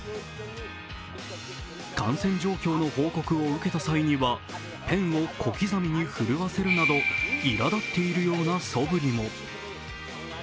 感染状況の報告を受けた際にはペンを小刻みに震わせるなどいら立っているようなそぶりも。